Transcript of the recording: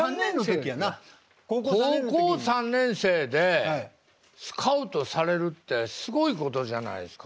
高校３年生でスカウトされるってすごいことじゃないですか。